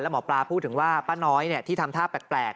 หมอปลาพูดถึงว่าป้าน้อยที่ทำท่าแปลก